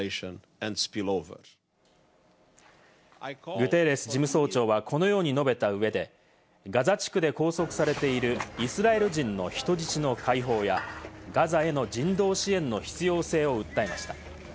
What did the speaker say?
グテーレス事務総長はこのように述べた上で、ガザ地区で拘束されているイスラエル人の人質の解放やガザへの人道支援の必要性を訴えました。